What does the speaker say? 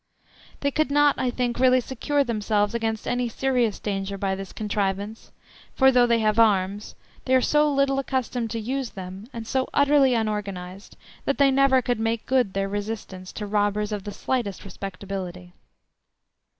They could not, I think, really secure themselves against any serious danger by this contrivance, for though they have arms, they are so little accustomed to use them, and so utterly unorganised, that they never could make good their resistance to robbers of the slightest respectability.